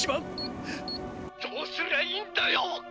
「どうすりゃいいんだよ！」。